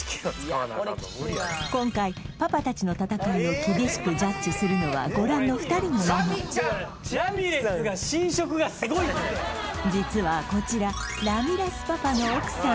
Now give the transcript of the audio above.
今回パパ達の戦いを厳しくジャッジするのはご覧の２人のママ実はこちらラミレスパパの奥さん